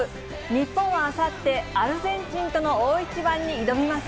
日本はあさって、アルゼンチンとの大一番に臨みます。